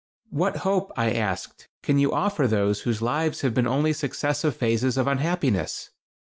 "What hope," I asked, "can you offer those whose lives have been only successive phases of unhappiness?